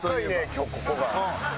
今日ここが。